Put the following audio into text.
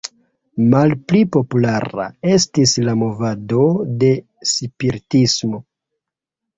Malpli populara estis la movado de spiritismo.